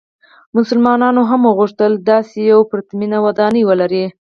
مسلمانانو هم وغوښتل داسې یوه پرتمینه ودانۍ ولري.